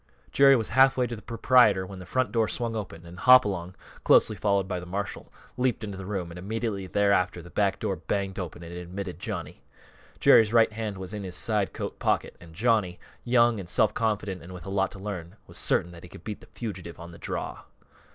_" Jerry was halfway to the proprietor when the front door swung open and Hopalong, closely followed by the marshal, leaped into the room, and immediately thereafter the back door banged open and admitted Johnny. Jerry's right hand was in his side coat pocket and Johnny, young and self confident, and with a lot to learn, was certain that he could beat the fugitive on the draw.